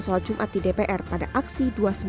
soal jumat di dpr pada aksi dua ratus sembilan puluh sembilan